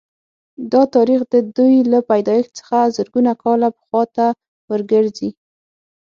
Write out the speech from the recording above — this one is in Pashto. دا تاریخ د دوی له پیدایښت څخه زرګونه کاله پخوا ته ورګرځي